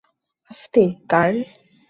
আস্তে, কার্ল।